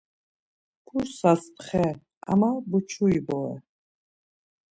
P̌ursas pxer ama Buçuri bore.